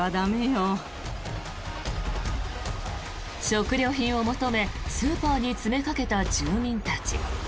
食料品を求めスーパーに詰めかけた住民たち。